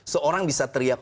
seorang bisa teriak